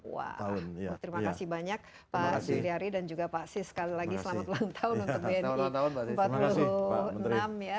wah terima kasih banyak pak juliari dan juga pak sis sekali lagi selamat ulang tahun untuk bni empat puluh enam ya